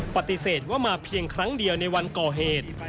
ปฏิเสธว่ามาเพียงครั้งเดียวในวันก่อเหตุ